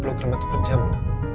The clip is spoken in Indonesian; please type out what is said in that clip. terus jernihnya berapa ya pak